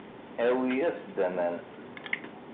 Awi-yas-d aman.